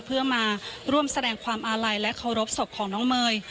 เพื่อมาร่วมแสดงความอาลัยและเคารพศพของน้องเมย์